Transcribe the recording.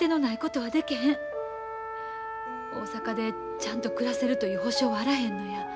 大阪でちゃんと暮らせるという保証はあらへんのや。